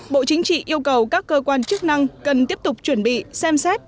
bộ chính trị yêu cầu các cơ quan chức năng cần tiếp tục chuẩn bị xem xét